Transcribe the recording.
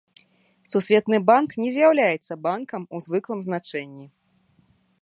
Сусветны банк не з'яўляецца банкам у звыклым значэнні.